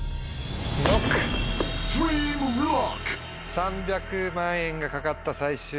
３００万円が懸かった最終問題